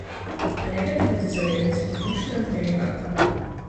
Але гэта будзе залежыць выключна ад дэлегатаў.